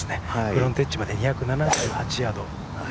フロントエッジまで２７８ヤード。